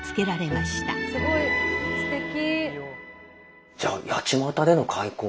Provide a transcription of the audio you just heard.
すごいすてき。